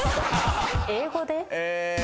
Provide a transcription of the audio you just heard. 英語で？